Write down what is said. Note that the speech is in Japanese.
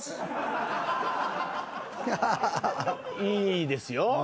いいですよ。